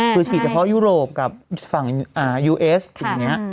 คือฉีดเฉพาะยุโรปกับฝั่งยูเอสอย่างนี้